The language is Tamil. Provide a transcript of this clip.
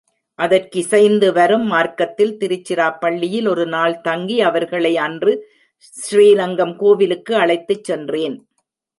அதற்கிசைந்து, வரும் மார்க்கத்தில் திருச்சிராப்பள்ளியில் ஒரு நாள் தங்கி, அவர்களை அன்று ஸ்ரீரங்கம் கோவிலுக்கு அழைத்துச் சென்றேன்.